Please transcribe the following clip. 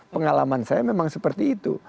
pengalaman saya memang seperti itu